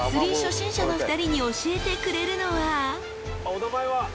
お名前は？